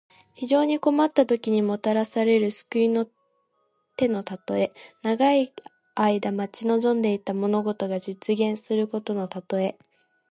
非常に困ったときに、もたらされる救いの手のたとえ。長い間待ち望んでいた物事が実現することのたとえ。